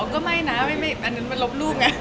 ก็ลี่เป็นรูปนะไม่เป็นความสนิท